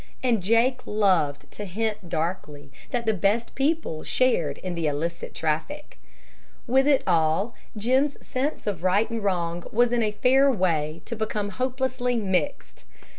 And Jake loved to hint darkly that the best people shared in the illicit traffic. With it all, Jim's sense of right and wrong was in a fair way to become hopelessly "mixed."